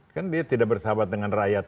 kan dia tidak bersahabat dengan rakyat